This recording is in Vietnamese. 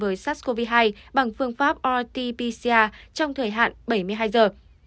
với sát covid hai bằng phương pháp rt pcr trong thời hạn bảy mươi hai giờ